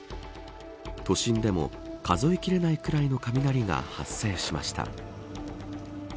都心でも数え切れないぐらいの雷が発生しました。